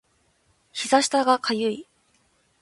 膝下が痒い